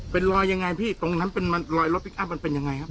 เป็นลอยยังไงพี่ตรงนั้นจะลอยขยะนี้มันเป็นยังไงครับ